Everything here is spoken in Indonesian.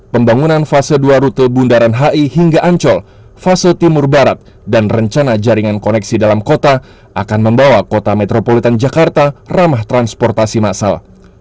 pembangunan fase dua rute bundaran hi hingga ancol fase timur barat dan rencana jaringan koneksi dalam kota akan membawa kota metropolitan jakarta ramah transportasi masal